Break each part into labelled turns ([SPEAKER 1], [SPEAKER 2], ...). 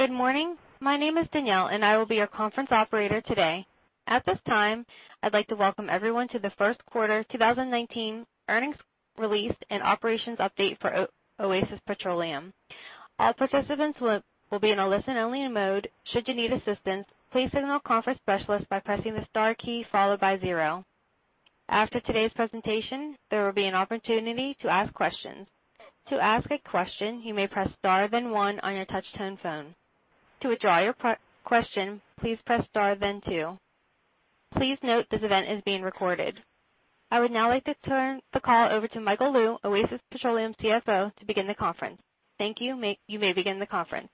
[SPEAKER 1] Good morning. My name is Danielle, and I will be your conference operator today. At this time, I'd like to welcome everyone to the first quarter 2019 earnings release and operations update for Oasis Petroleum. All participants will be in a listen-only mode. Should you need assistance, please signal a conference specialist by pressing the star key followed by 0. After today's presentation, there will be an opportunity to ask questions. To ask a question, you may press star, then 1 on your touch-tone phone. To withdraw your question, please press star, then 2. Please note this event is being recorded. I would now like to turn the call over to Michael Lou, Oasis Petroleum CFO, to begin the conference. Thank you. You may begin the conference.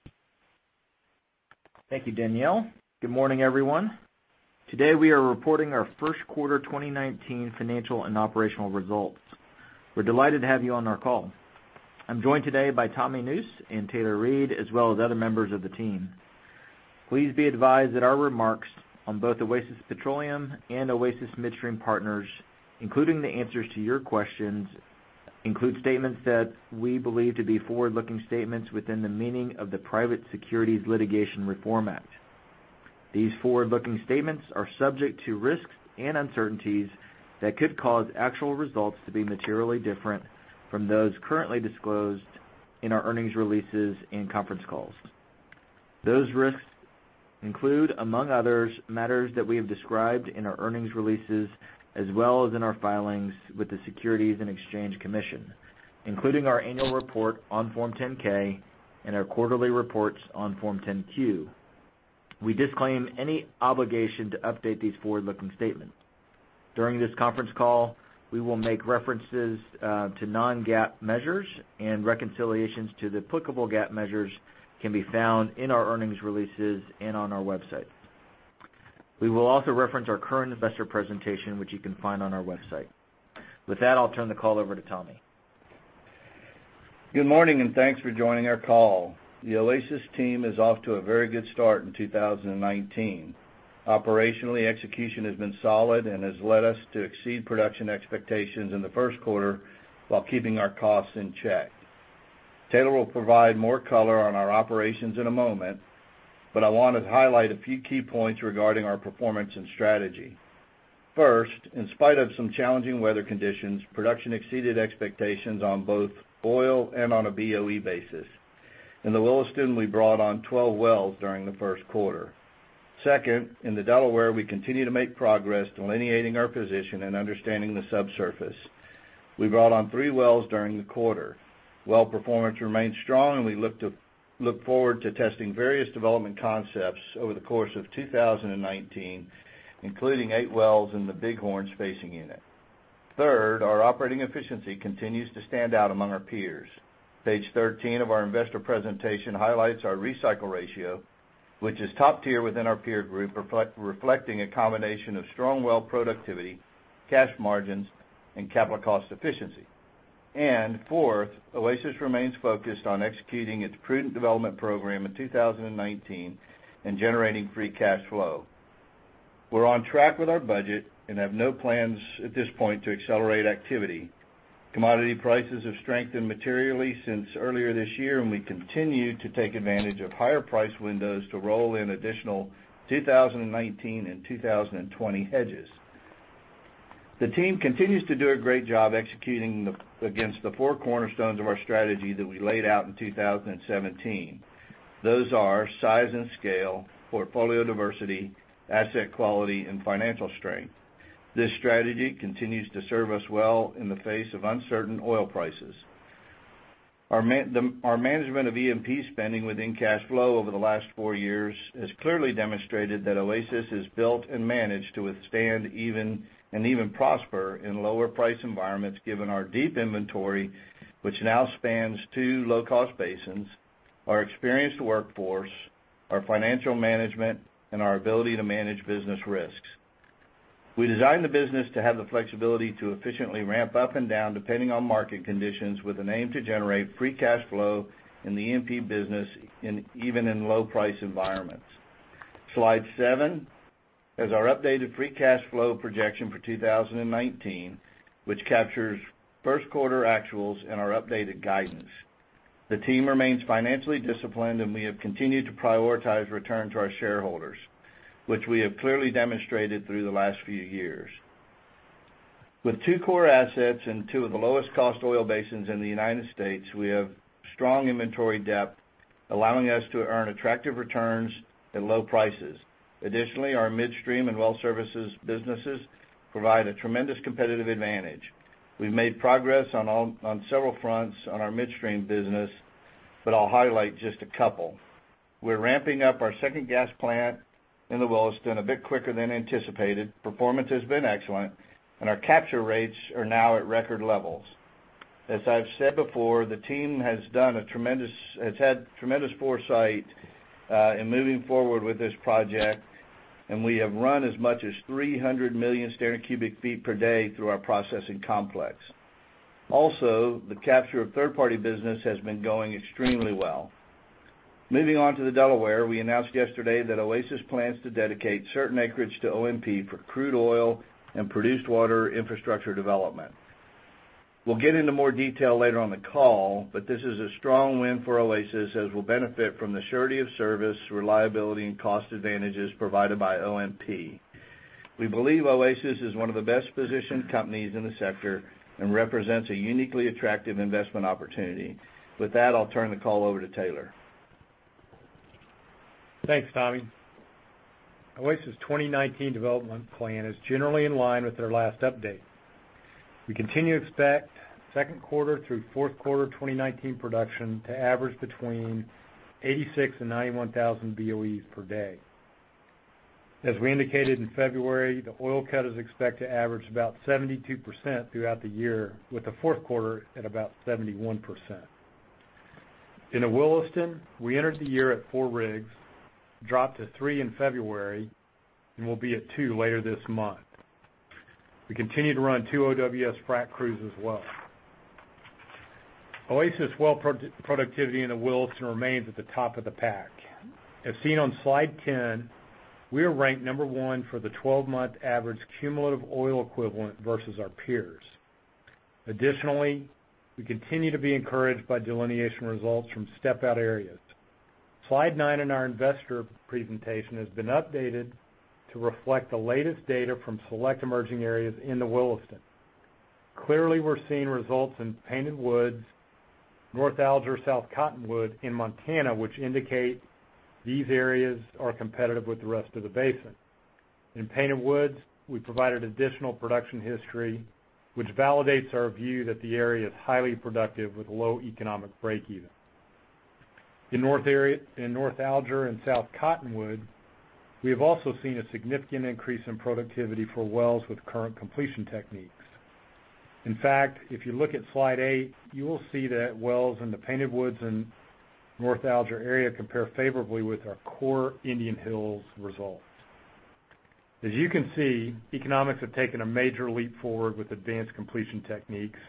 [SPEAKER 2] Thank you, Danielle. Good morning, everyone. Today, we are reporting our first quarter 2019 financial and operational results. We're delighted to have you on our call. I'm joined today by Tommy Nusz and Taylor Reid, as well as other members of the team. Please be advised that our remarks on both Oasis Petroleum and Oasis Midstream Partners, including the answers to your questions, include statements that we believe to be forward-looking statements within the meaning of the Private Securities Litigation Reform Act. These forward-looking statements are subject to risks and uncertainties that could cause actual results to be materially different from those currently disclosed in our earnings releases and conference calls. Those risks include, among others, matters that we have described in our earnings releases as well as in our filings with the Securities and Exchange Commission, including our annual report on Form 10-K and our quarterly reports on Form 10-Q. We disclaim any obligation to update these forward-looking statements. During this conference call, we will make references to non-GAAP measures and reconciliations to the applicable GAAP measures can be found in our earnings releases and on our website. We will also reference our current investor presentation, which you can find on our website. With that, I'll turn the call over to Tommy.
[SPEAKER 3] Good morning. Thanks for joining our call. The Oasis team is off to a very good start in 2019. Operationally, execution has been solid and has led us to exceed production expectations in the first quarter while keeping our costs in check. Taylor will provide more color on our operations in a moment, but I want to highlight a few key points regarding our performance and strategy. First, in spite of some challenging weather conditions, production exceeded expectations on both oil and on a BOE basis. In the Williston, we brought on 12 wells during the first quarter. Second, in the Delaware, we continue to make progress delineating our position and understanding the subsurface. We brought on 3 wells during the quarter. Well performance remains strong, and we look forward to testing various development concepts over the course of 2019, including 8 wells in the Bighorn spacing unit. Third, our operating efficiency continues to stand out among our peers. Page 13 of our investor presentation highlights our recycle ratio, which is top tier within our peer group, reflecting a combination of strong well productivity, cash margins, and capital cost efficiency. Fourth, Oasis remains focused on executing its prudent development program in 2019 and generating free cash flow. We're on track with our budget and have no plans at this point to accelerate activity. Commodity prices have strengthened materially since earlier this year, and we continue to take advantage of higher price windows to roll in additional 2019 and 2020 hedges. The team continues to do a great job executing against the four cornerstones of our strategy that we laid out in 2017. Those are size and scale, portfolio diversity, asset quality, and financial strength. This strategy continues to serve us well in the face of uncertain oil prices. Our management of E&P spending within cash flow over the last four years has clearly demonstrated that Oasis is built and managed to withstand and even prosper in lower price environments, given our deep inventory, which now spans two low-cost basins, our experienced workforce, our financial management, and our ability to manage business risks. We designed the business to have the flexibility to efficiently ramp up and down depending on market conditions with an aim to generate free cash flow in the E&P business even in low price environments. Slide seven has our updated free cash flow projection for 2019, which captures first quarter actuals and our updated guidance. The team remains financially disciplined, we have continued to prioritize return to our shareholders, which we have clearly demonstrated through the last few years. With two core assets in two of the lowest cost oil basins in the U.S., we have strong inventory depth, allowing us to earn attractive returns at low prices. Additionally, our midstream and well services businesses provide a tremendous competitive advantage. We've made progress on several fronts on our midstream business, but I'll highlight just a couple. We're ramping up our second gas plant in the Williston a bit quicker than anticipated. Performance has been excellent, and our capture rates are now at record levels. As I've said before, the team has had tremendous foresight in moving forward with this project, and we have run as much as 300 million standard cubic feet per day through our processing complex. Also, the capture of third-party business has been going extremely well. Moving on to the Delaware, we announced yesterday that Oasis plans to dedicate certain acreage to OMP for crude oil and produced water infrastructure development. We'll get into more detail later on the call, this is a strong win for Oasis, as we'll benefit from the surety of service, reliability, and cost advantages provided by OMP. We believe Oasis is one of the best-positioned companies in the sector and represents a uniquely attractive investment opportunity. With that, I'll turn the call over to Taylor.
[SPEAKER 4] Thanks, Tommy. Oasis' 2019 development plan is generally in line with our last update. We continue to expect second quarter through fourth quarter 2019 production to average between 86,000 and 91,000 BOEs per day. As we indicated in February, the oil cut is expected to average about 72% throughout the year, with the fourth quarter at about 71%. In the Williston, we entered the year at four rigs, dropped to three in February, and will be at two later this month. We continue to run two OWS frac crews as well. Oasis well productivity in the Williston remains at the top of the pack. As seen on slide 10, we are ranked number one for the 12-month average cumulative oil equivalent versus our peers. Additionally, we continue to be encouraged by delineation results from step-out areas. Slide nine in our investor presentation has been updated to reflect the latest data from select emerging areas in the Williston. Clearly, we are seeing results in Painted Woods, North Alger, South Cottonwood in Montana, which indicate these areas are competitive with the rest of the basin. In Painted Woods, we provided additional production history, which validates our view that the area is highly productive with low economic break-even. In North Alger and South Cottonwood, we have also seen a significant increase in productivity for wells with current completion techniques. In fact, if you look at slide 8, you will see that wells in the Painted Woods and North Alger area compare favorably with our core Indian Hills results. As you can see, economics have taken a major leap forward with advanced completion techniques,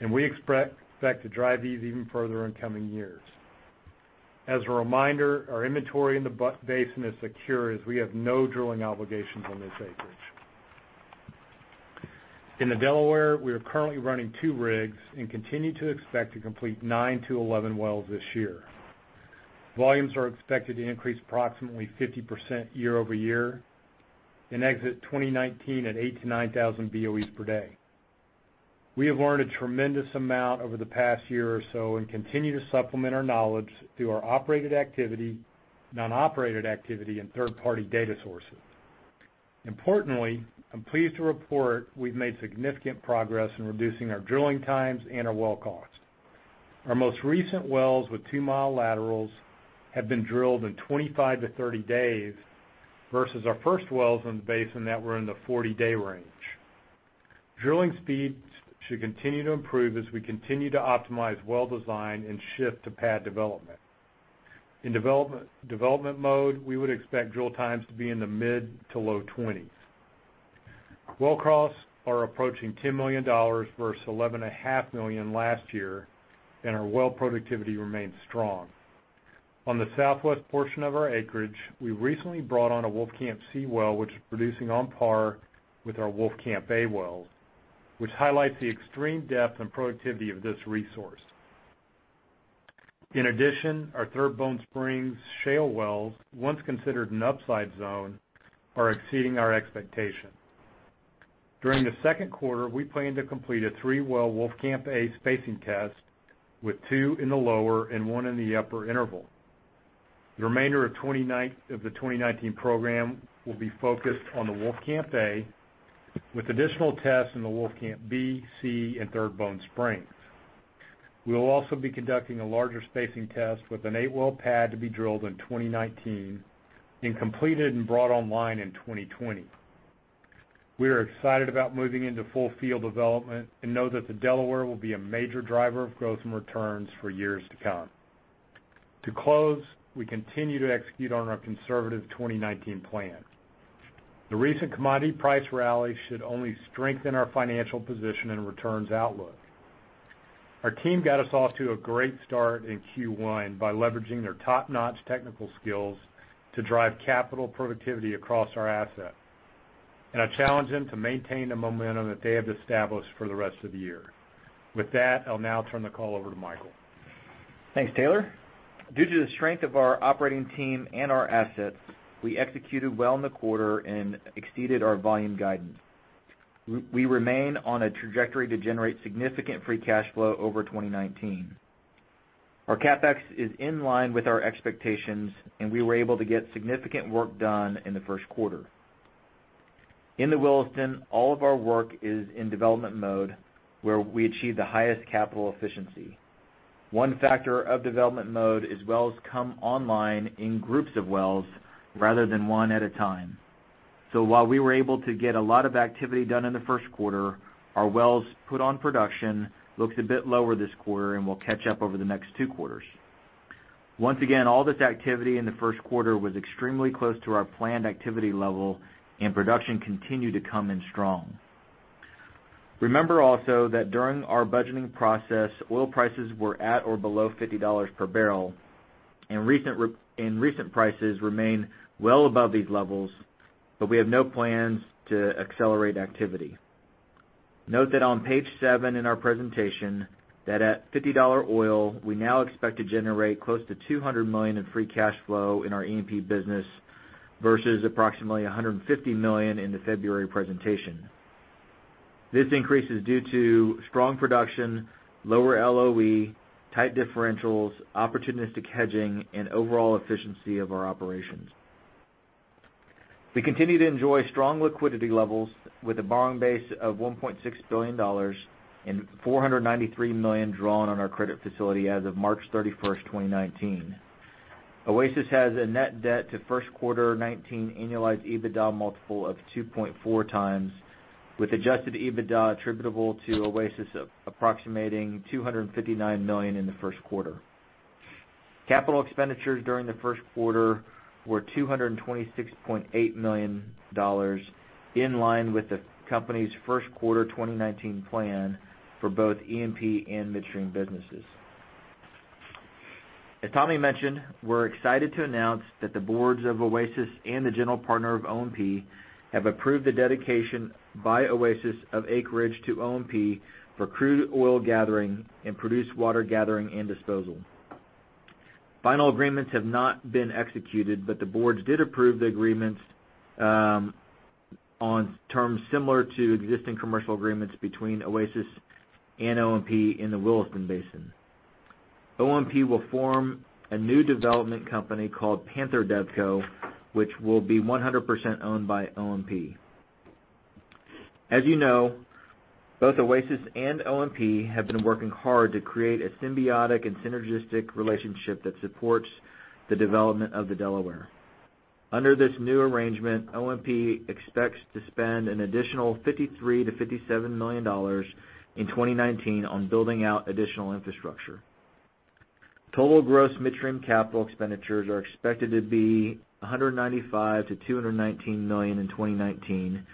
[SPEAKER 4] and we expect to drive these even further in coming years. As a reminder, our inventory in the basin is secure as we have no drilling obligations on this acreage. In the Delaware, we are currently running two rigs and continue to expect to complete nine to 11 wells this year. Volumes are expected to increase approximately 50% year-over-year and exit 2019 at 8,000 to 9,000 BOEs per day. We have learned a tremendous amount over the past year or so and continue to supplement our knowledge through our operated activity, non-operated activity, and third-party data sources. Importantly, I am pleased to report we have made significant progress in reducing our drilling times and our well cost. Our most recent wells with 2-mile laterals have been drilled in 25 to 30 days versus our first wells in the basin that were in the 40-day range. Drilling speeds should continue to improve as we continue to optimize well design and shift to pad development. In development mode, we would expect drill times to be in the mid to low 20s. Well costs are approaching $10 million versus $11.5 million last year, and our well productivity remains strong. On the southwest portion of our acreage, we recently brought on a Wolfcamp C well, which is producing on par with our Wolfcamp A wells, which highlights the extreme depth and productivity of this resource. In addition, our Third Bone Spring Shale wells, once considered an upside zone, are exceeding our expectations. During the second quarter, we plan to complete a three-well Wolfcamp A spacing test with two in the lower and one in the upper interval. The remainder of the 2019 program will be focused on the Wolfcamp A with additional tests in the Wolfcamp B, Wolfcamp C, and Third Bone Spring. We will also be conducting a larger spacing test with an eight-well pad to be drilled in 2019 and completed and brought online in 2020. We are excited about moving into full field development and know that the Delaware will be a major driver of growth and returns for years to come. To close, we continue to execute on our conservative 2019 plan. The recent commodity price rally should only strengthen our financial position and returns outlook. Our team got us off to a great start in Q1 by leveraging their top-notch technical skills to drive capital productivity across our asset. I challenge them to maintain the momentum that they have established for the rest of the year. With that, I'll now turn the call over to Michael.
[SPEAKER 2] Thanks, Taylor. Due to the strength of our operating team and our assets, we executed well in the quarter and exceeded our volume guidance. We remain on a trajectory to generate significant free cash flow over 2019. Our CapEx is in line with our expectations, and we were able to get significant work done in the first quarter. In the Williston, all of our work is in development mode, where we achieve the highest capital efficiency. One factor of development mode is wells come online in groups of wells rather than one at a time. While we were able to get a lot of activity done in the first quarter, our wells put on production looks a bit lower this quarter and will catch up over the next two quarters. Once again, all this activity in the first quarter was extremely close to our planned activity level, and production continued to come in strong. Remember also that during our budgeting process, oil prices were at or below $50 per barrel. Recent prices remain well above these levels, but we have no plans to accelerate activity. Note that on page seven in our presentation that at $50 oil, we now expect to generate close to $200 million in free cash flow in our E&P business versus approximately $150 million in the February presentation. This increase is due to strong production, lower LOE, tight differentials, opportunistic hedging, and overall efficiency of our operations. We continue to enjoy strong liquidity levels with a borrowing base of $1.6 billion and $493 million drawn on our credit facility as of March 31st, 2019. Oasis has a net debt to first quarter 2019 annualized EBITDA multiple of 2.4x, with adjusted EBITDA attributable to Oasis approximating $259 million in the first quarter. Capital expenditures during the first quarter were $226.8 million, in line with the company's first quarter 2019 plan for both E&P and midstream businesses. As Tommy mentioned, we're excited to announce that the boards of Oasis and the general partner of OMP have approved the dedication by Oasis of acreage to OMP for crude oil gathering and produced water gathering and disposal. Final agreements have not been executed, the boards did approve the agreements, on terms similar to existing commercial agreements between Oasis and OMP in the Williston Basin. OMP will form a new development company called Panther DevCo, which will be 100% owned by OMP. As you know, both Oasis and OMP have been working hard to create a symbiotic and synergistic relationship that supports the development of the Delaware. Under this new arrangement, OMP expects to spend an additional $53 million-$57 million in 2019 on building out additional infrastructure. Total gross midstream capital expenditures are expected to be $195 million-$219 million in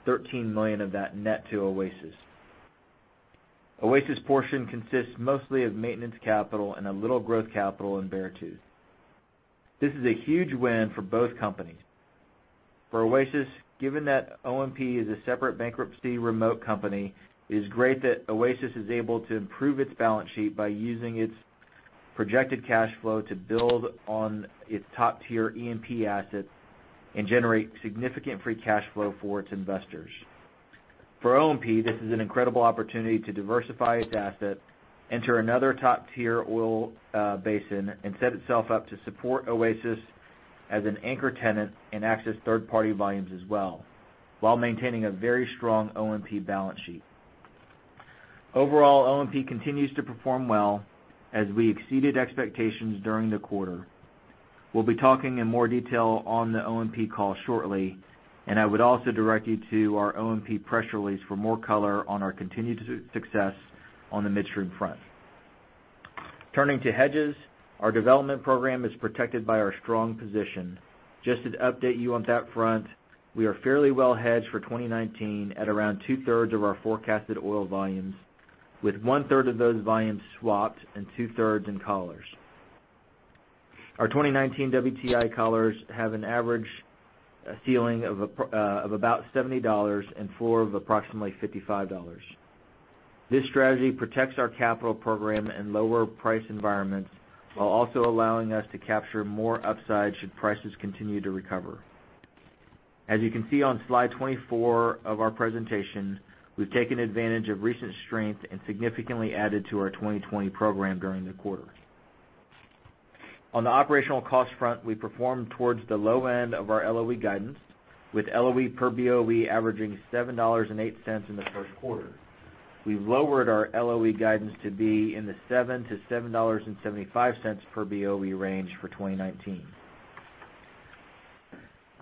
[SPEAKER 2] 2019, with about $11 million-$13 million of that net to Oasis. Oasis portion consists mostly of maintenance capital and a little growth capital in Beartooth. This is a huge win for both companies. For Oasis, given that OMP is a separate bankruptcy remote company, it is great that Oasis is able to improve its balance sheet by using its projected cash flow to build on its top-tier E&P assets and generate significant free cash flow for its investors. For OMP, this is an incredible opportunity to diversify its assets, enter another top-tier oil basin, and set itself up to support Oasis as an anchor tenant and access third-party volumes as well while maintaining a very strong OMP balance sheet. Overall, OMP continues to perform well as we exceeded expectations during the quarter. We'll be talking in more detail on the OMP call shortly. I would also direct you to our OMP press release for more color on our continued success on the midstream front. Turning to hedges, our development program is protected by our strong position. Just to update you on that front, we are fairly well hedged for 2019 at around two-thirds of our forecasted oil volumes, with one-third of those volumes swapped and two-thirds in collars. Our 2019 WTI collars have an average ceiling of about $70 and floor of approximately $55. This strategy protects our capital program in lower price environments while also allowing us to capture more upside should prices continue to recover. As you can see on slide 24 of our presentation, we've taken advantage of recent strength and significantly added to our 2020 program during the quarter. On the operational cost front, we performed towards the low end of our LOE guidance, with LOE per BOE averaging $7.08 in the first quarter. We've lowered our LOE guidance to be in the $7-$7.75 per BOE range for 2019.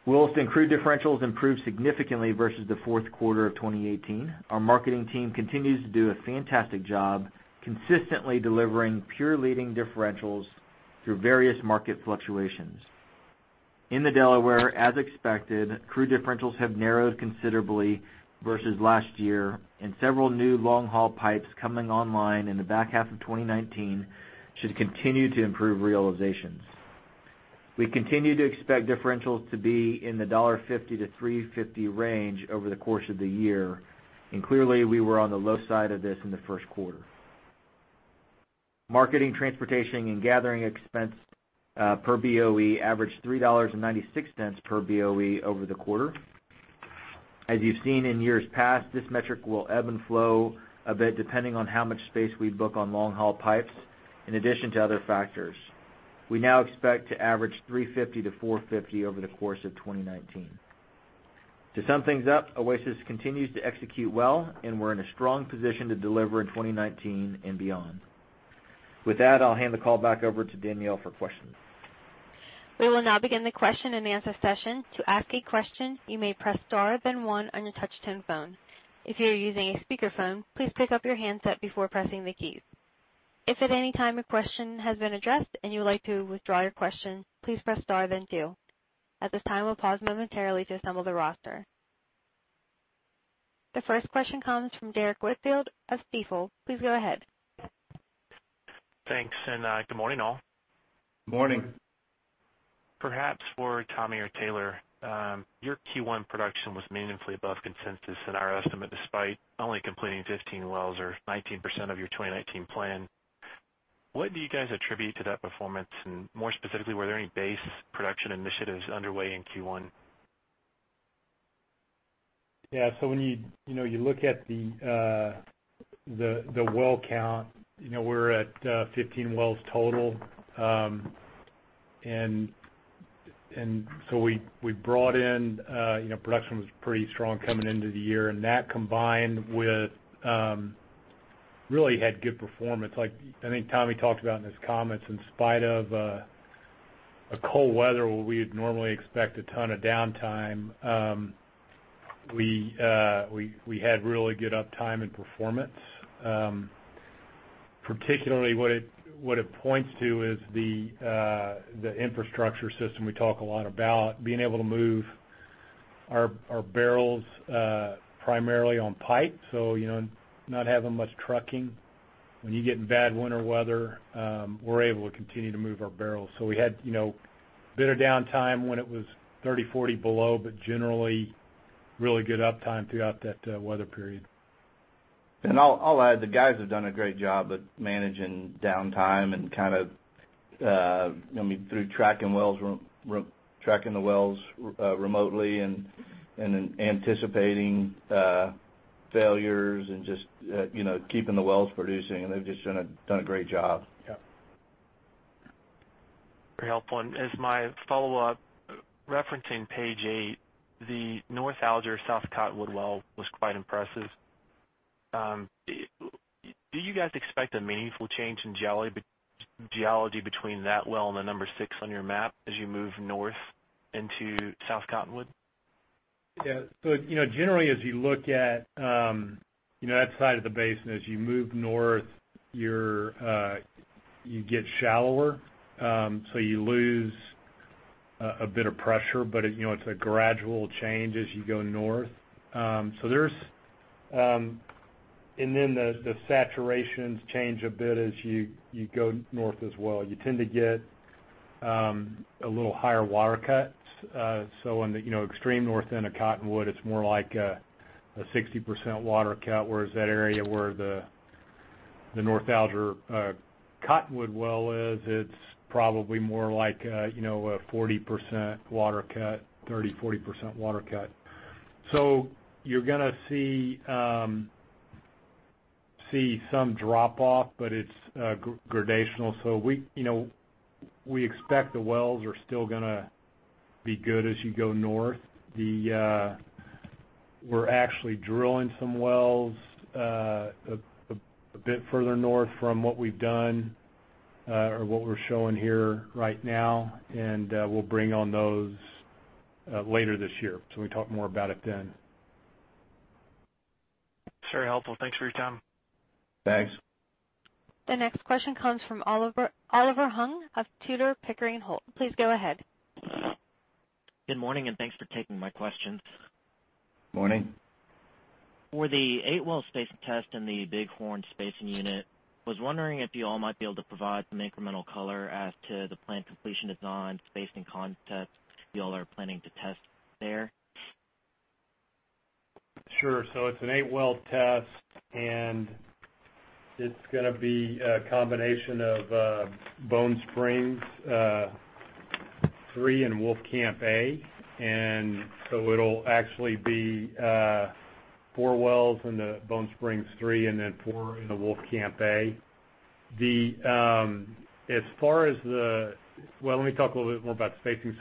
[SPEAKER 2] Williston crude differentials improved significantly versus the fourth quarter of 2018. Our marketing team continues to do a fantastic job, consistently delivering peer-leading differentials through various market fluctuations. In the Delaware, as expected, crude differentials have narrowed considerably versus last year. Several new long-haul pipes coming online in the back half of 2019 should continue to improve realizations. We continue to expect differentials to be in the $1.50-$3.50 range over the course of the year. Clearly, we were on the low side of this in the first quarter. Marketing, transportation, and gathering expense, per BOE averaged $3.96 per BOE over the quarter. As you've seen in years past, this metric will ebb and flow a bit depending on how much space we book on long-haul pipes, in addition to other factors. We now expect to average $3.50-$4.50 over the course of 2019. To sum things up, Oasis continues to execute well, and we're in a strong position to deliver in 2019 and beyond. With that, I'll hand the call back over to Danielle for questions.
[SPEAKER 1] We will now begin the question-and-answer session. To ask a question, you may press star one on your touch-tone phone. If you are using a speakerphone, please pick up your handset before pressing the keys. If at any time your question has been addressed and you would like to withdraw your question, please press star two. At this time, we'll pause momentarily to assemble the roster. The first question comes from Derrick Whitfield of Stifel. Please go ahead.
[SPEAKER 5] Thanks. Good morning all.
[SPEAKER 4] Morning.
[SPEAKER 5] Perhaps for Tommy or Taylor. Your Q1 production was meaningfully above consensus and our estimate, despite only completing 15 wells or 19% of your 2019 plan. What do you guys attribute to that performance? More specifically, were there any base production initiatives underway in Q1?
[SPEAKER 4] Yeah. When you look at the well count, we're at 15 wells total. We brought in Production was pretty strong coming into the year, that combined with, really had good performance. I think Tommy talked about in his comments, in spite of cold weather where we'd normally expect a ton of downtime, we had really good uptime and performance. Particularly what it points to is the infrastructure system we talk a lot about, being able to move our barrels primarily on pipe, so not having much trucking. When you get into bad winter weather, we're able to continue to move our barrels. We had a bit of downtime when it was 30, 40 below, generally really good uptime throughout that weather period.
[SPEAKER 3] I'll add, the guys have done a great job at managing downtime and through tracking the wells remotely and then anticipating failures and just keeping the wells producing. They've just done a great job.
[SPEAKER 4] Yep.
[SPEAKER 5] Very helpful. As my follow-up, referencing page eight, the North Alger South Cottonwood well was quite impressive. Do you guys expect a meaningful change in geology between that well and the number six on your map as you move north into South Cottonwood?
[SPEAKER 4] Yeah. Generally as you look at that side of the basin, as you move north, you get shallower, you lose a bit of pressure, it's a gradual change as you go north. The saturations change a bit as you go north as well. You tend to get a little higher water cuts. On the extreme north end of Cottonwood, it's more like a 60% water cut, whereas that area where the North Alger Cottonwood well is, it's probably more like a 40% water cut, 30, 40% water cut. You're gonna see some drop off, it's gradational. We expect the wells are still gonna be good as you go north. We're actually drilling some wells a bit further north from what we've done, or what we're showing here right now, and we'll bring on those later this year, so we talk more about it then.
[SPEAKER 5] It's very helpful. Thanks for your time.
[SPEAKER 4] Thanks.
[SPEAKER 1] The next question comes from Oliver Huang of Tudor, Pickering, Holt. Please go ahead.
[SPEAKER 6] Good morning. Thanks for taking my questions.
[SPEAKER 4] Morning.
[SPEAKER 6] For the eight-well spacing test in the Bighorn spacing unit, was wondering if you all might be able to provide some incremental color as to the planned completion design spacing concept you all are planning to test there?
[SPEAKER 4] Sure. It's an eight-well test, and it is going to be a combination of Bone Springs three and Wolfcamp A. It'll actually be four wells in the Bone Springs three, then four in the Wolfcamp A. Let me talk a little bit more about spacing.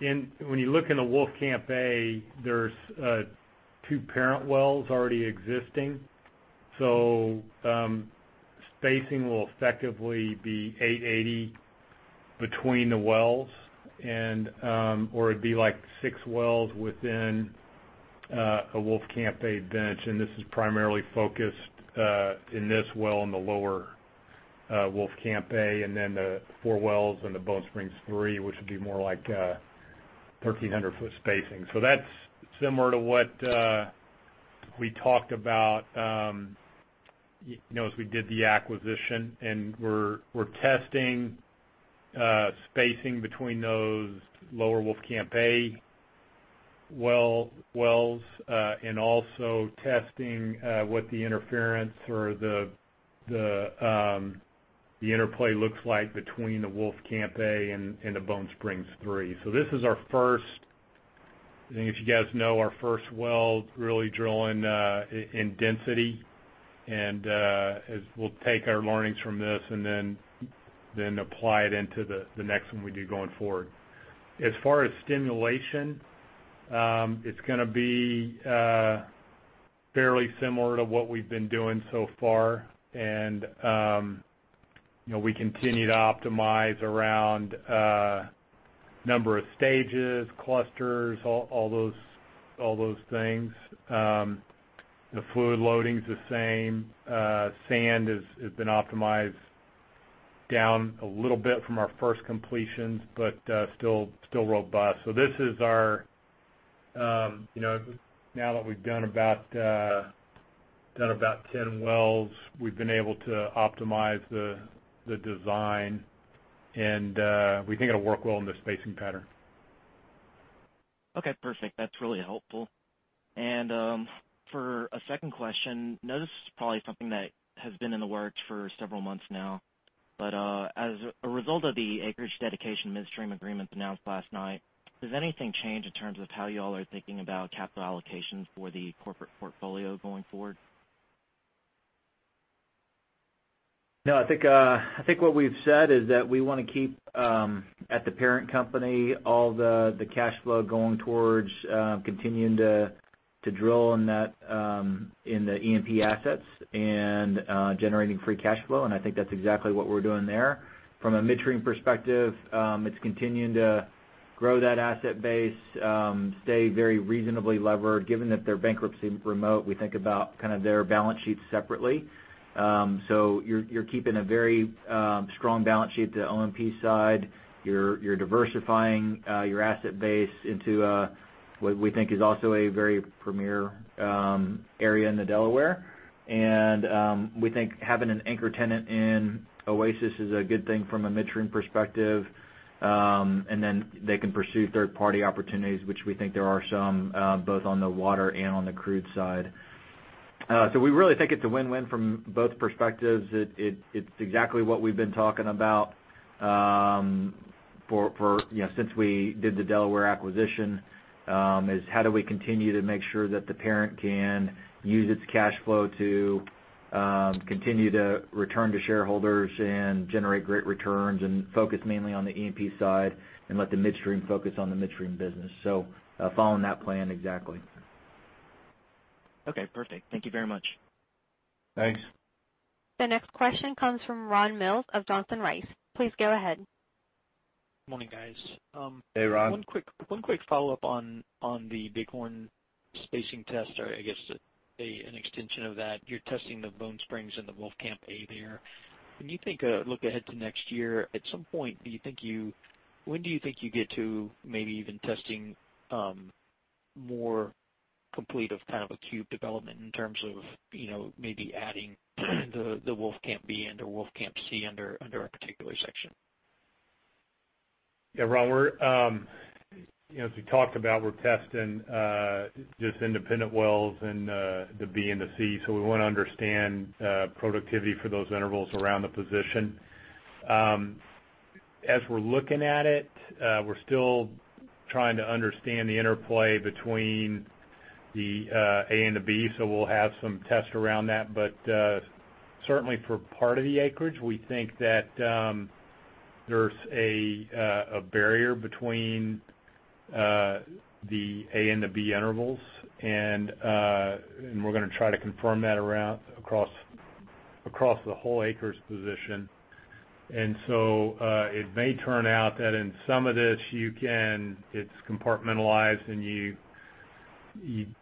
[SPEAKER 4] When you look in the Wolfcamp A, there are two parent wells already existing. Spacing will effectively be 880 between the wells, or it would be six wells within a Wolfcamp A bench, and this is primarily focused in this well in the lower Wolfcamp A. Then the four wells in the Bone Springs three, which would be more like a 1,300-foot spacing. That is similar to what we talked about as we did the acquisition, and we are testing spacing between those lower Wolfcamp A wells, and also testing what the interference or the interplay looks like between the Wolfcamp A and the Bone Springs three. This is our first, I think if you guys know, our first well really drilling in density, and as we will take our learnings from this and apply it into the next one we do going forward. As far as stimulation, it is going to be fairly similar to what we have been doing so far. We continue to optimize around number of stages, clusters, all those things. The fluid loading is the same. Sand has been optimized down a little bit from our first completions, but still robust. Now that we have done about 10 wells, we have been able to optimize the design, and we think it will work well in the spacing pattern.
[SPEAKER 6] Okay, perfect. That's really helpful. For a second question, I know this is probably something that has been in the works for several months now, but as a result of the acreage dedication midstream agreement announced last night, does anything change in terms of how you all are thinking about capital allocations for the corporate portfolio going forward?
[SPEAKER 2] No. I think what we've said is that we want to keep, at the parent company, all the cash flow going towards continuing to drill in the E&P assets and generating free cash flow, and I think that's exactly what we're doing there. From a midstream perspective, it's continuing to grow that asset base, stay very reasonably levered. Given that their bankruptcy remote, we think about their balance sheets separately. You're keeping a very strong balance sheet to the E&P side. You're diversifying your asset base into what we think is also a very premier area in the Delaware, and we think having an anchor tenant in Oasis is a good thing from a midstream perspective. They can pursue third-party opportunities, which we think there are some, both on the water and on the crude side. We really think it's a win-win from both perspectives. It's exactly what we've been talking about since we did the Delaware acquisition, is how do we continue to make sure that the parent can use its cash flow to continue to return to shareholders and generate great returns and focus mainly on the E&P side and let the midstream focus on the midstream business. Following that plan exactly.
[SPEAKER 6] Okay, perfect. Thank you very much.
[SPEAKER 2] Thanks.
[SPEAKER 1] The next question comes from Ron Mills of Johnson Rice. Please go ahead.
[SPEAKER 7] Morning, guys.
[SPEAKER 2] Hey, Ron.
[SPEAKER 7] One quick follow-up on the Bighorn spacing test, or I guess an extension of that. You're testing the Bone Springs and the Wolfcamp A there. When you look ahead to next year, at some point, when do you think you get to maybe even testing more complete of a cube development in terms of maybe adding the Wolfcamp B and the Wolfcamp C under a particular section?
[SPEAKER 4] Yeah, Ron, as we talked about, we're testing just independent wells in the B and the C. We want to understand productivity for those intervals around the position. As we're looking at it, we're still trying to understand the interplay between the A and the B. We'll have some tests around that. Certainly for part of the acreage, we think that there's a barrier between the A and the B intervals, and we're going to try to confirm that across the whole acres position. It may turn out that in some of this, it's compartmentalized and you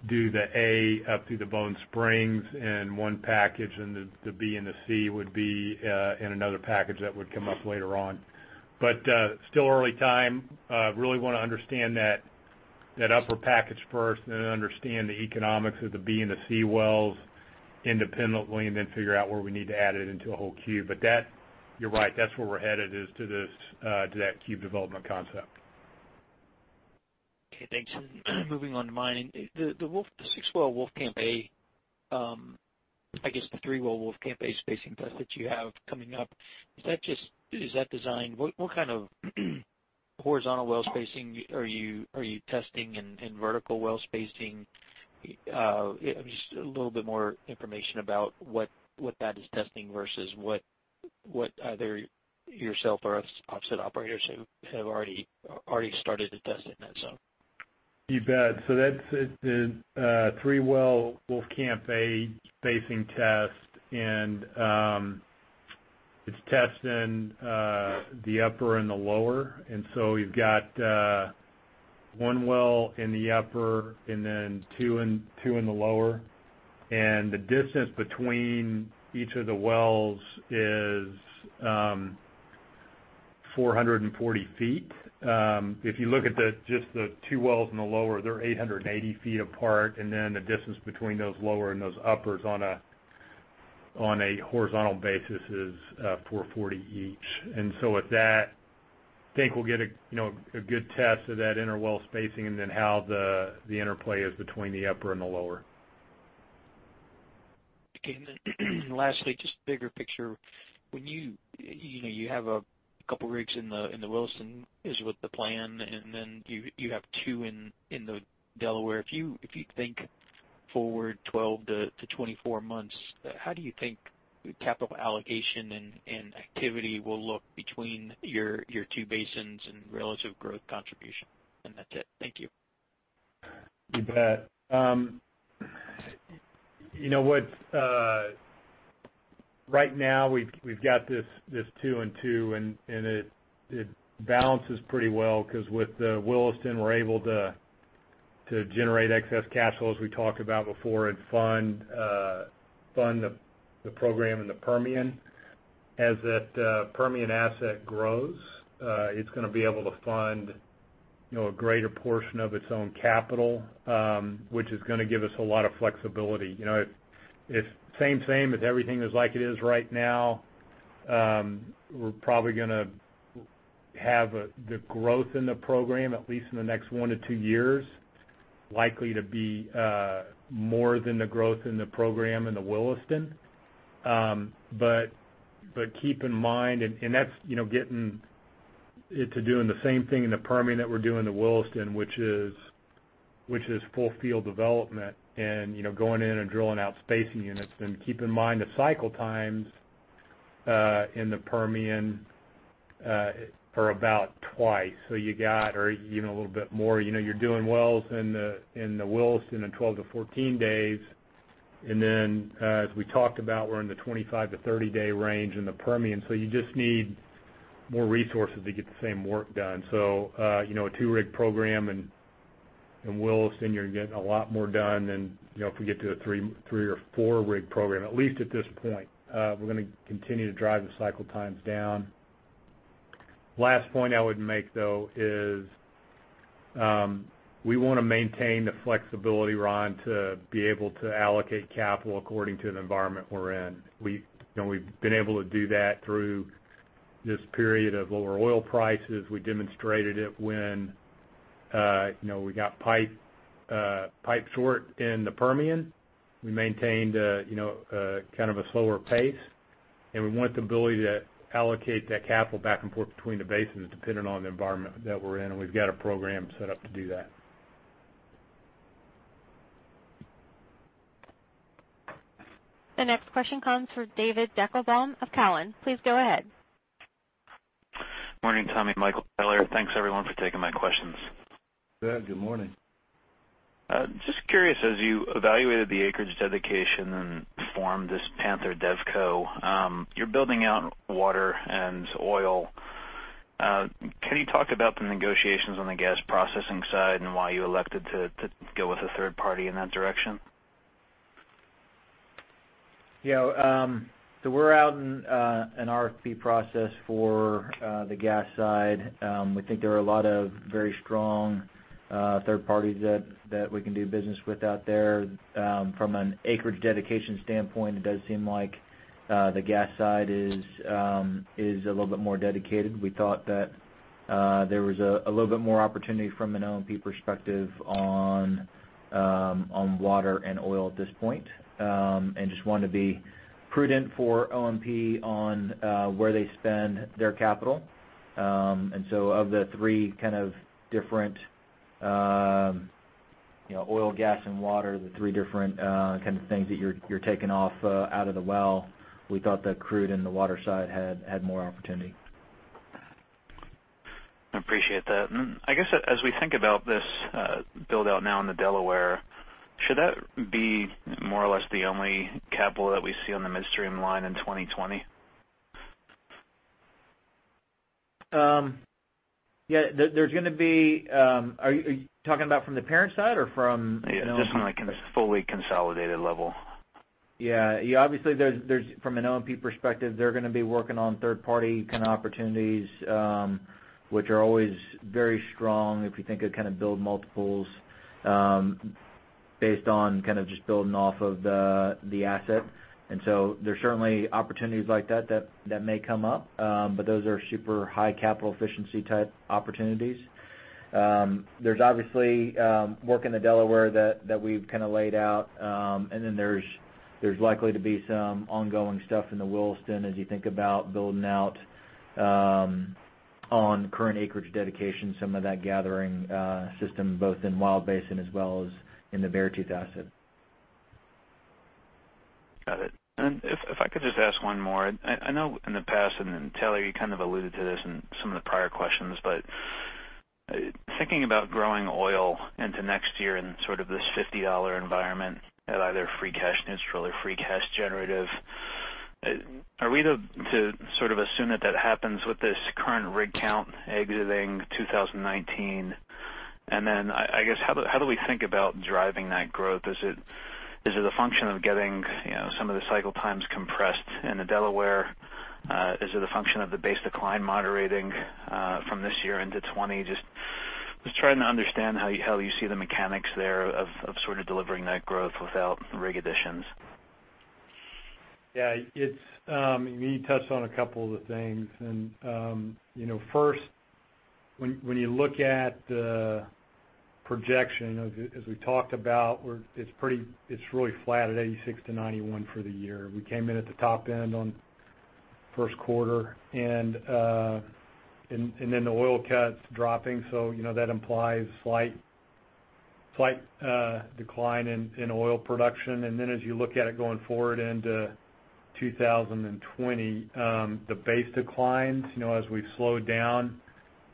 [SPEAKER 4] do the A up through the Bone Springs in one package, and the B and the C would be in another package that would come up later on. Still early time. really want to understand that upper package first, and then understand the economics of the B and the C wells independently, and then figure out where we need to add it into a whole cube. You're right. That's where we're headed, is to that cube development concept.
[SPEAKER 7] Okay, thanks. Moving on to mine. The 6-well Wolfcamp A, I guess the three-well Wolfcamp A spacing test that you have coming up, what kind of horizontal well spacing are you testing, and vertical well spacing? Just a little bit more information about what that is testing versus what either yourself or offset operators have already started to test in that zone.
[SPEAKER 4] You bet. That's the three-well Wolfcamp A spacing test, and it's testing the upper and the lower. We've got one well in the upper and then two in the lower, and the distance between each of the wells is 440 feet. If you look at just the two wells in the lower, they're 880 feet apart, and then the distance between those lower and those uppers on a horizontal basis is 440 each. With that, think we'll get a good test of that inner well spacing and then how the interplay is between the upper and the lower.
[SPEAKER 7] Okay. Lastly, just bigger picture. You have a couple rigs in the Williston, is with the plan, then you have two in the Delaware. If you think forward 12-24 months, how do you think capital allocation and activity will look between your two basins and relative growth contribution? That's it. Thank you.
[SPEAKER 4] You bet. Right now, we've got this two and two, and it balances pretty well because with the Williston, we're able to generate excess cash flow, as we talked about before, and fund the program in the Permian. As that Permian asset grows, it's going to be able to fund a greater portion of its own capital, which is going to give us a lot of flexibility. If everything is like it is right now, we're probably going to have the growth in the program, at least in the next 1-2 years, likely to be more than the growth in the program in the Williston. Keep in mind, that's getting it to doing the same thing in the Permian that we're doing in the Williston, which is full field development and going in and drilling out spacing units. Keep in mind, the cycle times in the Permian are about twice or even a little bit more. You're doing wells in the Williston in 12-14 days, and then, as we talked about, we're in the 25- to 30-day range in the Permian. You just need more resources to get the same work done. A two-rig program in Williston, you're getting a lot more done than if we get to a three- or four-rig program, at least at this point. We're going to continue to drive the cycle times down. Last point I would make, though, is we want to maintain the flexibility, Ron, to be able to allocate capital according to the environment we're in. We've been able to do that through this period of lower oil prices. We demonstrated it when we got pipe short in the Permian. We maintained a slower pace, and we want the ability to allocate that capital back and forth between the basins, depending on the environment that we're in, and we've got a program set up to do that.
[SPEAKER 1] The next question comes from David Deckelbaum of Cowen. Please go ahead.
[SPEAKER 8] Morning, Tommy, Michael, Taylor. Thanks everyone for taking my questions.
[SPEAKER 4] Yeah, good morning.
[SPEAKER 8] Just curious, as you evaluated the acreage dedication and formed this Panther DevCo, you're building out water and oil. Can you talk about the negotiations on the gas processing side and why you elected to go with a third party in that direction?
[SPEAKER 2] We're out in an RFP process for the gas side. We think there are a lot of very strong third parties that we can do business with out there. From an acreage dedication standpoint, it does seem like the gas side is a little bit more dedicated. We thought that there was a little bit more opportunity from an OMP perspective on water and oil at this point, and just wanted to be prudent for OMP on where they spend their capital. Of the three different oil, gas, and water, the three different kinds of things that you're taking off out of the well, we thought that crude in the water side had more opportunity.
[SPEAKER 8] Appreciate that. I guess as we think about this build-out now in the Delaware, should that be more or less the only capital that we see on the midstream line in 2020?
[SPEAKER 2] Yeah. Are you talking about from the parent side or from-
[SPEAKER 8] Just on a fully consolidated level.
[SPEAKER 2] Yeah. Obviously, from an OMP perspective, they're going to be working on third-party opportunities, which are always very strong if you think of build multiples based on just building off of the asset. There's certainly opportunities like that that may come up. Those are super high capital efficiency type opportunities. There's obviously work in the Delaware that we've laid out. There's likely to be some ongoing stuff in the Williston as you think about building out on current acreage dedication, some of that gathering system, both in Wild Basin as well as in the Beartooth asset.
[SPEAKER 8] Got it. If I could just ask one more. I know in the past, Taylor, you kind of alluded to this in some of the prior questions, thinking about growing oil into next year in this $50 environment at either free cash neutral or free cash generative, are we to assume that that happens with this current rig count exiting 2019? I guess, how do we think about driving that growth? Is it a function of getting some of the cycle times compressed in the Delaware? Is it a function of the base decline moderating from this year into 2020? Just trying to understand how you see the mechanics there of sort of delivering that growth without rig additions.
[SPEAKER 4] Yeah. You touched on a couple of the things. First, when you look at the projection, as we talked about, it's really flat at 86-91 for the year. We came in at the top end on first quarter, the oil cuts dropping, that implies slight decline in oil production. As you look at it going forward into 2020, the base declines as we slow down,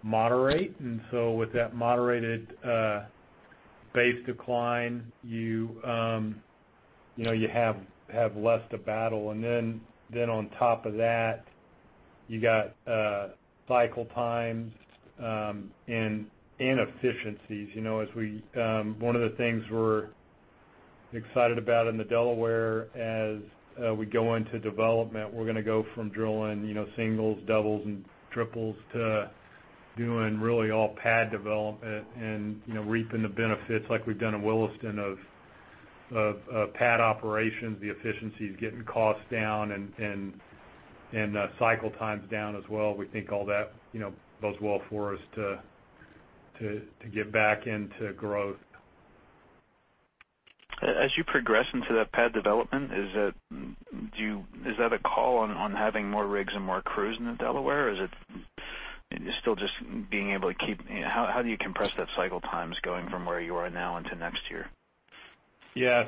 [SPEAKER 4] moderate. With that moderated base decline, you have less to battle. On top of that. You got cycle times and inefficiencies. One of the things we're excited about in the Delaware as we go into development, we're going to go from drilling singles, doubles, and triples to doing really all pad development and reaping the benefits like we've done in Williston of pad operations, the efficiencies, getting costs down, and cycle times down as well. We think all that bodes well for us to get back into growth.
[SPEAKER 8] As you progress into that pad development, is that a call on having more rigs and more crews in the Delaware? How do you compress that cycle times going from where you are now into next year?
[SPEAKER 4] Yeah.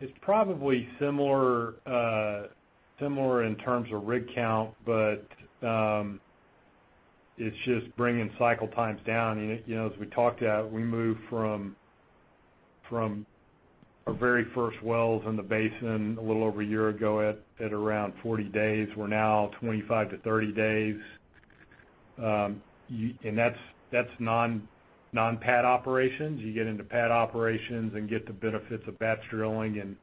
[SPEAKER 4] It's probably similar in terms of rig count, but it's just bringing cycle times down. As we talked about, we moved from our very first wells in the basin a little over a year ago at around 40 days. We're now 25 to 30 days. That's non-pad operations. You get into pad operations and get the benefits of batch drilling and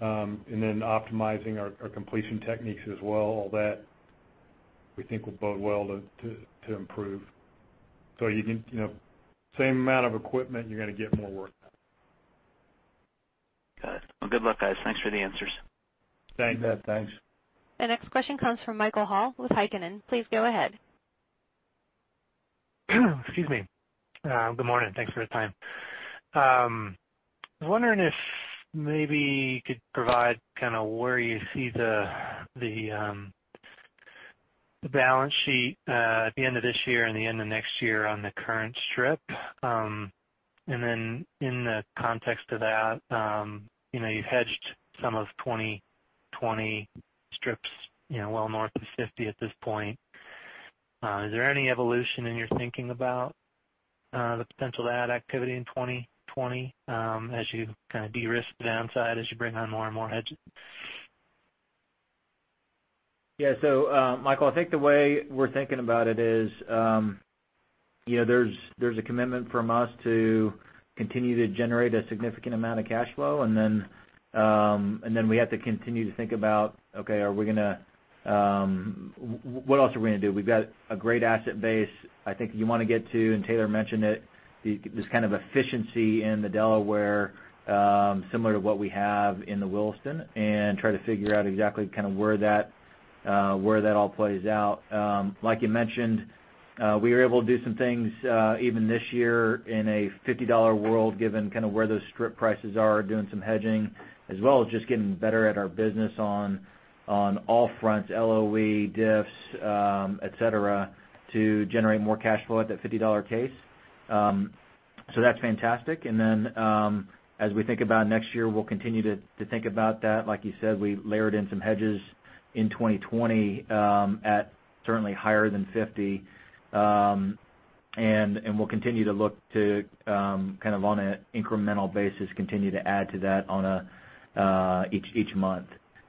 [SPEAKER 4] then optimizing our completion techniques as well, all that we think will bode well to improve. Same amount of equipment, you're going to get more work done.
[SPEAKER 8] Got it. Well, good luck, guys. Thanks for the answers.
[SPEAKER 4] Thanks.
[SPEAKER 2] You bet, thanks.
[SPEAKER 1] The next question comes from Michael Hall with Heikkinen. Please go ahead.
[SPEAKER 9] Excuse me. Good morning, thanks for the time. I was wondering if maybe you could provide where you see the balance sheet at the end of this year and the end of next year on the current strip. In the context of that, you've hedged some of 2020 strips well north of $50 at this point. Is there any evolution in your thinking about the potential to add activity in 2020 as you de-risk the downside, as you bring on more and more hedges?
[SPEAKER 2] Michael, I think the way we're thinking about it is, there's a commitment from us to continue to generate a significant amount of cash flow, we have to continue to think about, okay, what else are we going to do? We've got a great asset base. I think you want to get to, Taylor mentioned it, this kind of efficiency in the Delaware similar to what we have in the Williston, try to figure out exactly where that all plays out. Like you mentioned, we were able to do some things even this year in a $50 world, given where those strip prices are, doing some hedging, as well as just getting better at our business on all fronts, LOE, diffs, et cetera, to generate more cash flow at that $50 case. That's fantastic. As we think about next year, we'll continue to think about that. Like you said, we layered in some hedges in 2020 at certainly higher than $50. We'll continue to look to, on an incremental basis, continue to add to that each month.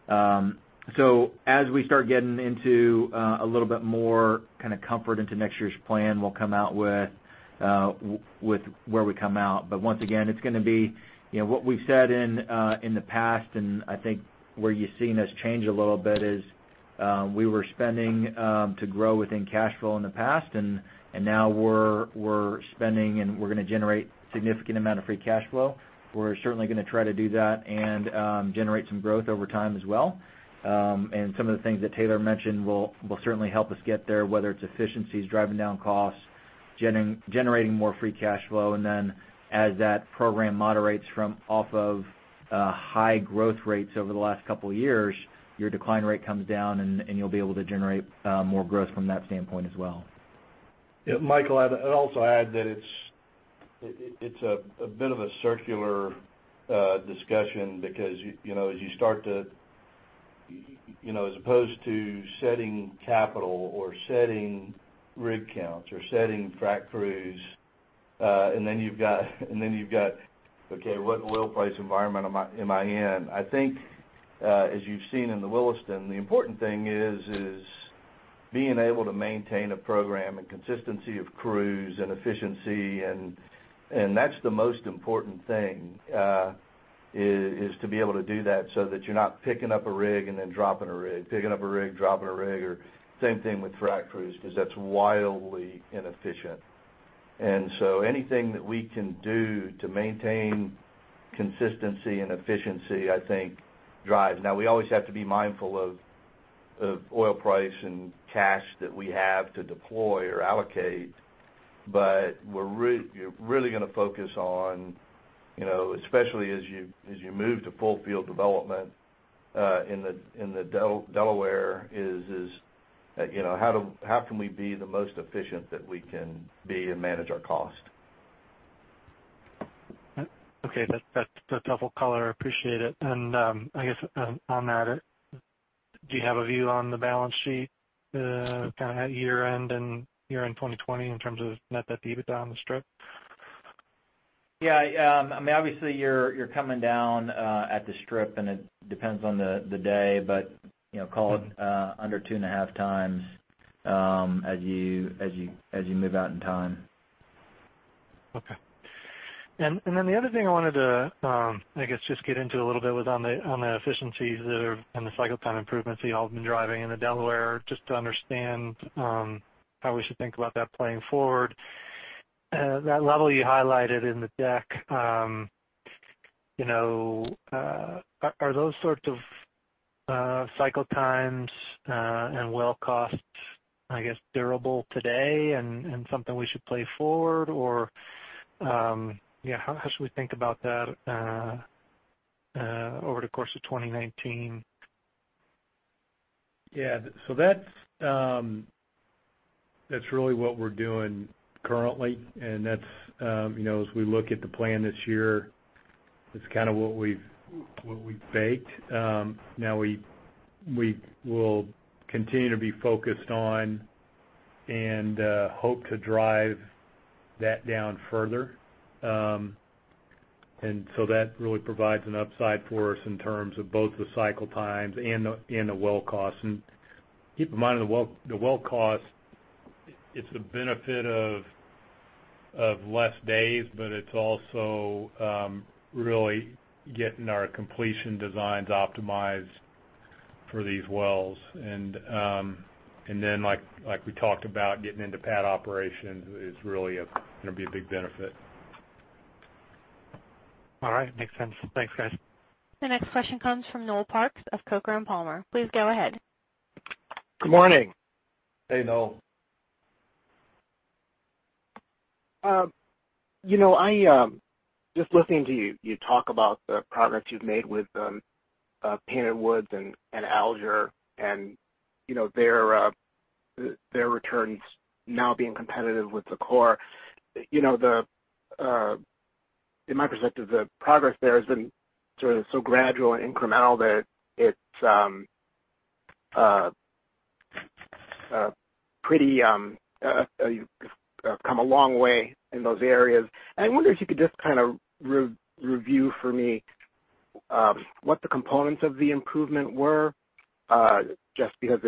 [SPEAKER 2] As we start getting into a little bit more comfort into next year's plan, we'll come out with where we come out. Once again, it's going to be what we've said in the past, I think where you've seen us change a little bit is, we were spending to grow within cash flow in the past, now we're spending we're going to generate significant amount of free cash flow. We're certainly going to try to do that generate some growth over time as well. Some of the things that Taylor mentioned will certainly help us get there, whether it's efficiencies, driving down costs, generating more free cash flow. Then as that program moderates from off of high growth rates over the last couple of years, your decline rate comes down, you'll be able to generate more growth from that standpoint as well.
[SPEAKER 4] Yeah, Michael, I'd also add that it's a bit of a circular discussion because as you start to As opposed to setting capital or setting rig counts or setting frac crews, then you've got, okay, what oil price environment am I in? I think, as you've seen in the Williston, the important thing is being able to maintain a program and consistency of crews and efficiency, that's the most important thing, is to be able to do that so that you're not picking up a rig and then dropping a rig, picking up a rig, dropping a rig. Same thing with frac crews, because that's wildly inefficient. Anything that we can do to maintain consistency and efficiency, I think drives. We always have to be mindful of oil price and cash that we have to deploy or allocate, we're really going to focus on, especially as you move to full field development in the Delaware is, how can we be the most efficient that we can be and manage our cost?
[SPEAKER 9] Okay. That's helpful color. I appreciate it. I guess on that, do you have a view on the balance sheet at year-end and year-end 2020 in terms of net that EBITDA on the strip?
[SPEAKER 2] Obviously, you're coming down at the WTI strip, and it depends on the day, but call it under two and a half times as you move out in time.
[SPEAKER 9] The other thing I wanted to, I guess, just get into a little bit was on the efficiencies and the cycle time improvements that you all have been driving in the Delaware, just to understand how we should think about that playing forward. That level you highlighted in the deck, are those sorts of cycle times and well costs, I guess, durable today and something we should play forward? How should we think about that over the course of 2019?
[SPEAKER 4] That's really what we're doing currently, and as we look at the plan this year, it's what we've baked. Now we will continue to be focused on and hope to drive that down further. That really provides an upside for us in terms of both the cycle times and the well costs. Keep in mind, the well cost, it's a benefit of less days, but it's also really getting our completion designs optimized for these wells. Like we talked about, getting into pad operations is really going to be a big benefit.
[SPEAKER 9] All right. Makes sense. Thanks, guys.
[SPEAKER 1] The next question comes from Noel Parks of Coker & Palmer. Please go ahead.
[SPEAKER 10] Good morning.
[SPEAKER 4] Hey, Noel.
[SPEAKER 10] Just listening to you talk about the progress you've made with Painted Woods and Alger, and their returns now being competitive with the core. In my perspective, the progress there has been so gradual and incremental that you've come a long way in those areas. I wonder if you could just review for me what the components of the improvement were, just because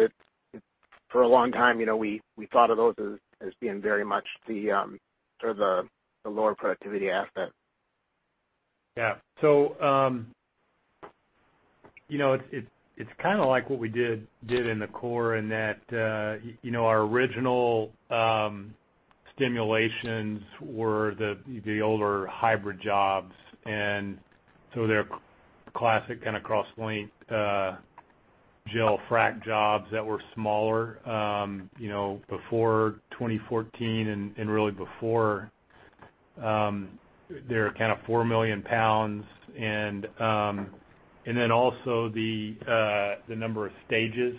[SPEAKER 10] for a long time, we thought of those as being very much the lower productivity asset.
[SPEAKER 4] Yeah. It's like what we did in the core, in that our original stimulations were the older hybrid jobs. They're classic cross-linked gel frack jobs that were smaller before 2014 and really before. They're 4 million pounds, and then also the number of stages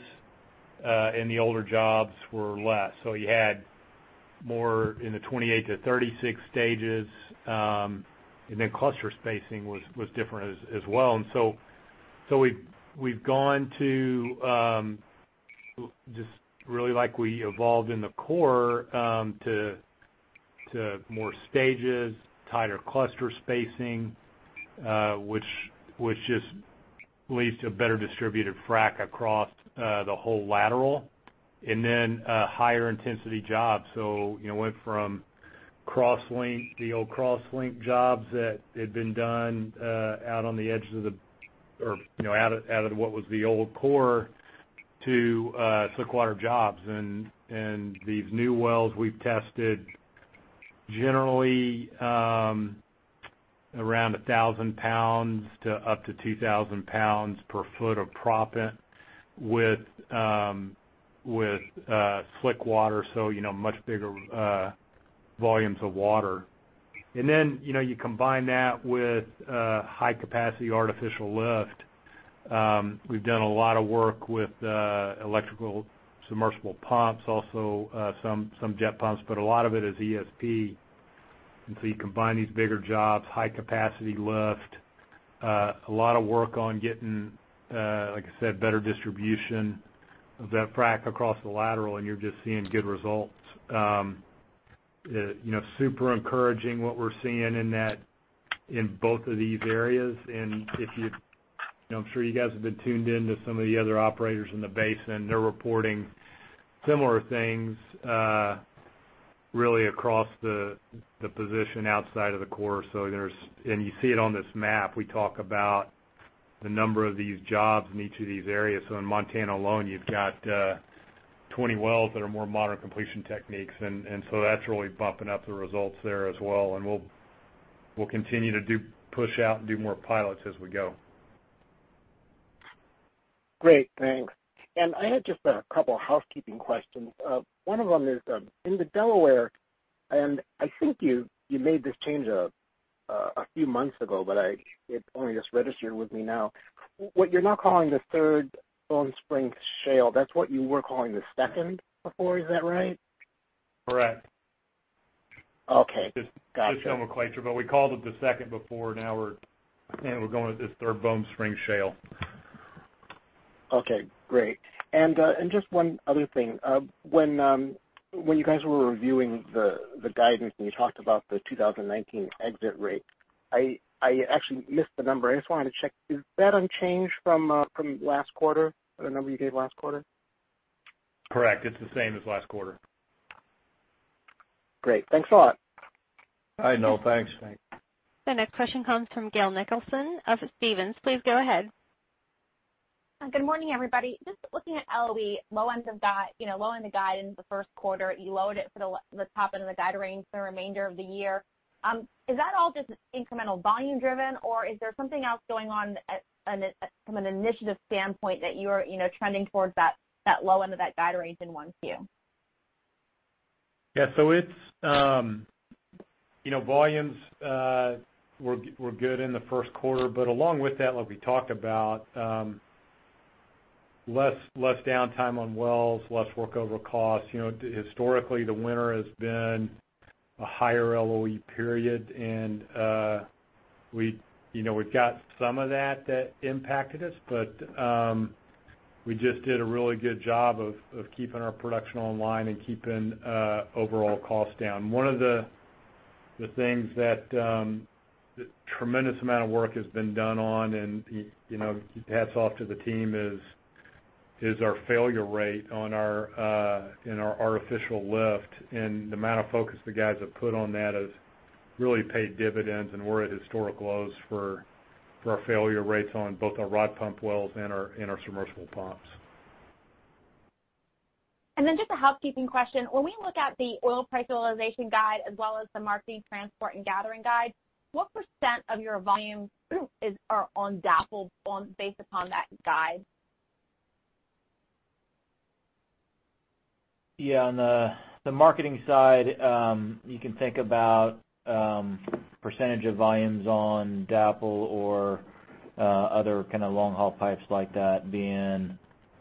[SPEAKER 4] in the older jobs were less. You had more in the 28 to 36 stages, and then cluster spacing was different as well. We've gone to just really like we evolved in the core to more stages, tighter cluster spacing, which just leads to a better distributed frack across the whole lateral, and then higher intensity jobs. It went from the old cross-linked jobs that had been done out of what was the old core to slickwater jobs. These new wells we've tested generally around 1,000 pounds to up to 2,000 pounds per foot of proppant with slickwater, so much bigger volumes of water. Then you combine that with high-capacity artificial lift. We've done a lot of work with electrical submersible pumps, also some jet pumps, but a lot of it is ESP. You combine these bigger jobs, high-capacity lift, a lot of work on getting, like I said, better distribution of that frack across the lateral, and you're just seeing good results. Super encouraging what we're seeing in both of these areas. I'm sure you guys have been tuned in to some of the other operators in the basin. They're reporting similar things really across the position outside of the core. You see it on this map. We talk about the number of these jobs in each of these areas. In Montana alone, you've got 20 wells that are more modern completion techniques. That's really bumping up the results there as well, and we'll continue to push out and do more pilots as we go.
[SPEAKER 10] Great, thanks. I had just a couple housekeeping questions. One of them is, in the Delaware, and I think you made this change a few months ago, but it only just registered with me now. What you're now calling the Third Bone Spring Shale, that's what you were calling the second before. Is that right?
[SPEAKER 4] Correct.
[SPEAKER 10] Okay. Gotcha.
[SPEAKER 4] Just nomenclature, we called it the second before. Now we're going with this Third Bone Spring Shale.
[SPEAKER 10] Okay, great. Just one other thing. When you guys were reviewing the guidance and you talked about the 2019 exit rate, I actually missed the number. I just wanted to check. Is that unchanged from last quarter, or the number you gave last quarter?
[SPEAKER 4] Correct. It's the same as last quarter.
[SPEAKER 10] Great. Thanks a lot.
[SPEAKER 4] All right, Noel. Thanks.
[SPEAKER 2] Thanks.
[SPEAKER 1] The next question comes from Gale Nicholson of Stephens. Please go ahead.
[SPEAKER 11] Good morning, everybody. Just looking at LOE, low end of the guidance the first quarter. You lowered it for the top end of the guide range for the remainder of the year. Is that all just incremental volume driven or is there something else going on from an initiative standpoint that you are trending towards that low end of that guide range in 1Q?
[SPEAKER 4] Volumes were good in the first quarter, along with that, like we talked about, less downtime on wells, less workover costs. Historically, the winter has been a higher LOE period, we've got some of that that impacted us, we just did a really good job of keeping our production online and keeping overall costs down. One of the things that tremendous amount of work has been done on, hats off to the team, is our failure rate in our artificial lift. The amount of focus the guys have put on that has really paid dividends, and we're at historic lows for our failure rates on both our rod pump wells and our submersible pumps.
[SPEAKER 11] Just a housekeeping question. When we look at the oil price realization guide as well as the marketing transport and gathering guide, what % of your volumes are on DAPL based upon that guide?
[SPEAKER 2] On the marketing side, you can think about % of volumes on DAPL or other long-haul pipes like that being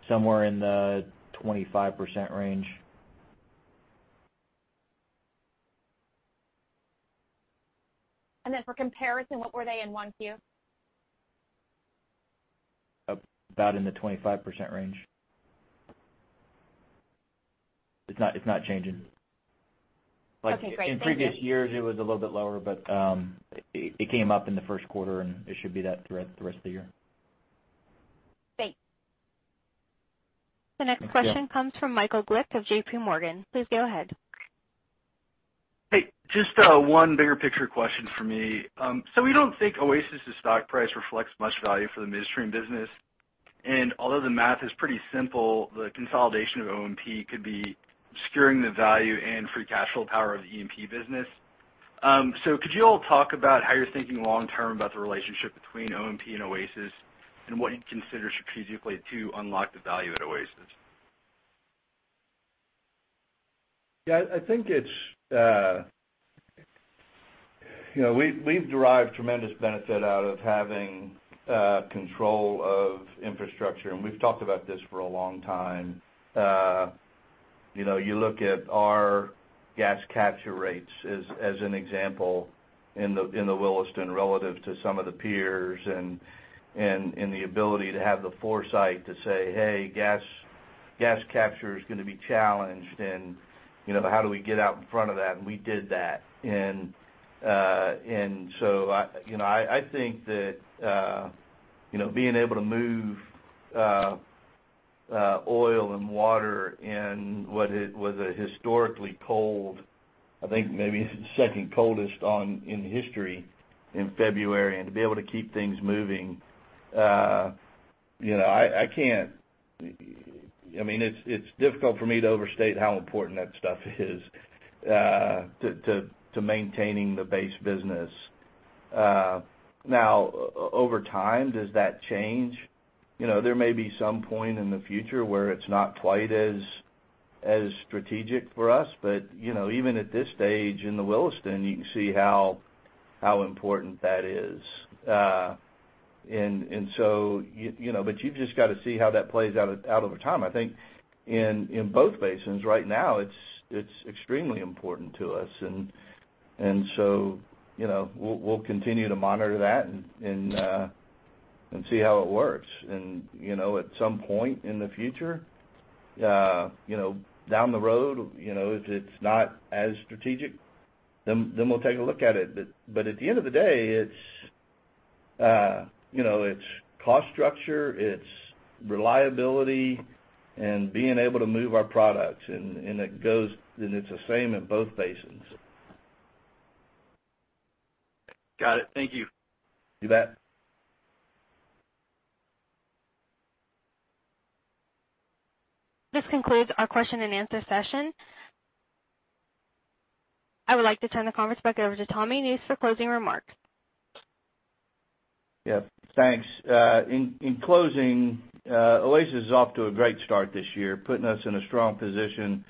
[SPEAKER 2] somewhere in the 25% range.
[SPEAKER 11] For comparison, what were they in 1Q?
[SPEAKER 2] About in the 25% range. It's not changing.
[SPEAKER 11] Okay, great. Thank you.
[SPEAKER 2] In previous years, it was a little bit lower, but it came up in the first quarter, and it should be that throughout the rest of the year.
[SPEAKER 11] Thanks.
[SPEAKER 1] The next question comes from Michael Glick of JPMorgan. Please go ahead.
[SPEAKER 12] Hey, just one bigger picture question for me. We don't think Oasis's stock price reflects much value for the midstream business, although the math is pretty simple, the consolidation of OMP could be obscuring the value and free cash flow power of the E&P business. Could you all talk about how you're thinking long term about the relationship between OMP and Oasis and what you'd consider strategically to unlock the value at Oasis?
[SPEAKER 4] Yeah, we've derived tremendous benefit out of having control of infrastructure. We've talked about this for a long time. You look at our gas capture rates as an example in the Williston relative to some of the peers and the ability to have the foresight to say, "Hey, gas capture is going to be challenged, and how do we get out in front of that?" We did that. I think that being able to move oil and water in what was a historically cold, I think maybe second coldest in history in February, and to be able to keep things moving, it's difficult for me to overstate how important that stuff is to maintaining the base business. Now, over time, does that change? There may be some point in the future where it's not quite as strategic for us, even at this stage in the Williston, you can see how important that is. You've just got to see how that plays out over time. I think in both basins right now, it's extremely important to us, we'll continue to monitor that and see how it works. At some point in the future, down the road, if it's not as strategic, we'll take a look at it. At the end of the day, it's cost structure, it's reliability, and being able to move our products, it's the same in both basins.
[SPEAKER 12] Got it. Thank you.
[SPEAKER 4] You bet.
[SPEAKER 1] This concludes our question and answer session. I would like to turn the conference back over to Tommy Nusz for closing remarks.
[SPEAKER 3] Yeah. Thanks. In closing, Oasis is off to a great start this year, putting us in a strong position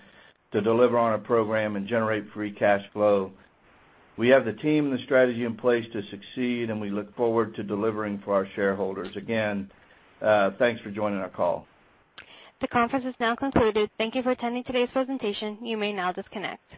[SPEAKER 3] to deliver on our program and generate free cash flow. We have the team and the strategy in place to succeed, and we look forward to delivering for our shareholders. Again, thanks for joining our call.
[SPEAKER 1] The conference has now concluded. Thank you for attending today's presentation. You may now disconnect.